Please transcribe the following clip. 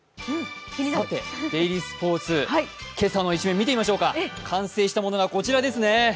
「デイリースポーツ」、今朝の１面見てみましょうか、完成したものがこちらですね。